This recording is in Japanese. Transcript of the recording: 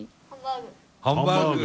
ハンバーグ。